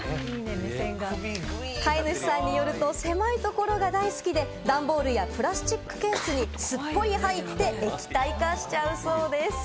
飼い主さんによると、狭いところが大好きで、ダンボールやプラスチックケースにすっぽり入って液体化しちゃうそうです。